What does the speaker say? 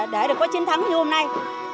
để được có chiến thắng như hôm nay